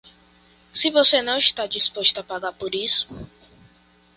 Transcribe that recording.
Se você não está disposto a pagar por isso